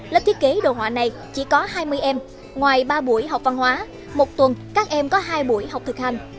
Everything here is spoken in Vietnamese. lớp thiết kế đồ họa này chỉ có hai mươi em ngoài ba buổi học văn hóa một tuần các em có hai buổi học thực hành